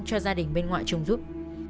cho gia đình bên ngoại chung giúp